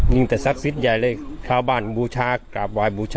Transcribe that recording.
แต่ศักดิ์สิทธิ์ใหญ่เลยชาวบ้านบูชากราบไหว้บูชา